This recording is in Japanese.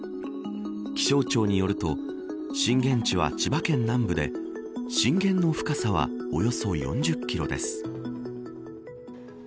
気象庁によると震源地は千葉県南部で震源の深さはおよそ４０キロです。